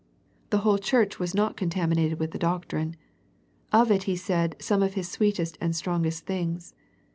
The whole church was not con taminated with the doctrine. Of it He said some of His sweetest and strongest things.